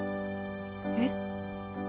えっ？